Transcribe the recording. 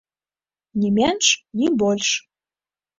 Ні менш, ні больш.